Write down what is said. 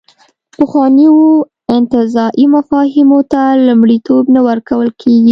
پخوانیو انتزاعي مفاهیمو ته لومړیتوب نه ورکول کېږي.